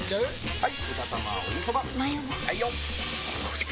はい